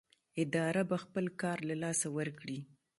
اداره به خپل کار له لاسه ورکړي.